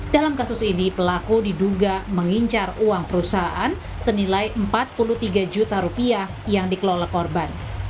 dalam kasus ini pelaku diduga mengincar uang perusahaan senilai empat puluh tiga juta rupiah yang dikelola korban